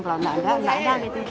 kalau tidak ada tidak ada